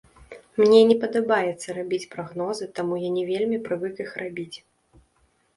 Мне не падабаецца рабіць прагнозы, таму я не вельмі прывык іх рабіць.